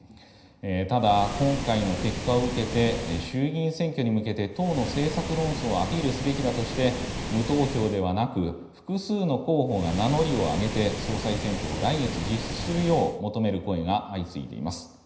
ただ、今回の結果を受けて、衆議院選挙に向けて党の政策論争をアピールすべきだとして、無投票ではなく、複数の候補が名乗りを上げて総裁選挙を来月実施するよう求める声が相次いでいます。